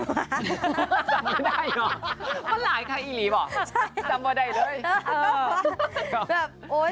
จำไม่ได้หรอมันหลายค่ะอีหลีบอ่ะจำมาได้เลย